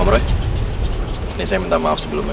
om roy ini saya minta maaf sebelumnya